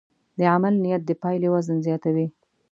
د عمل نیت د پایلې وزن زیاتوي.